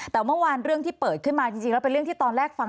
แต่เมื่อวานเรื่องที่เปิดขึ้นมาจริงแล้วเป็นเรื่องที่ตอนแรกฟัง